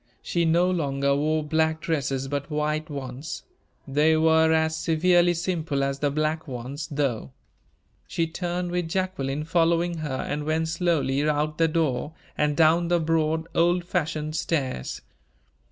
She no longer wore black dresses, but white ones. They were as severely simple as the black ones, though. She turned with Jacqueline following her, and went slowly out the door, and down the broad, old fashioned stairs.